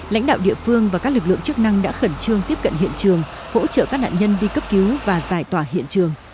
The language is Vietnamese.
lãnh đạo địa phương và các lực lượng chức năng đã khẩn trương tiếp cận hiện trường hỗ trợ các nạn nhân đi cấp cứu và giải tỏa hiện trường